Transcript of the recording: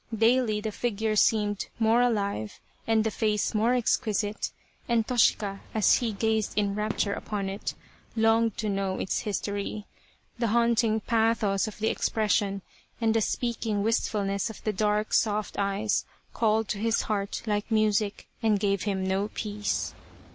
Daily the figure seemed more alive and the face more exquisite, and Toshika, as he gazed in rapture upon it, longed to know its history. The haunting pathos of the expression and the speaking wistfulness of the dark soft eyes called to his heart like music and gave him no peace.